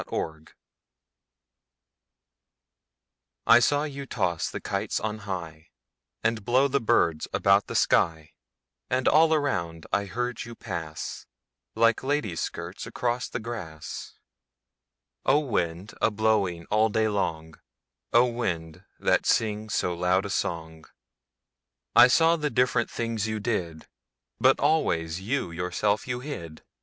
The Wind I SAW you toss the kites on highAnd blow the birds about the sky; And all around I heard you pass, Like ladies' skirts across the grass—O wind, a blowing all day long,O wind, that sings so loud a song!I saw the different things you did, But always you yourself you hid.